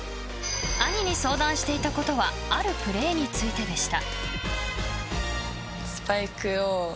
兄に相談していたことはあるプレーについてでした。